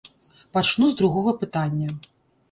Пачну з другога пытання.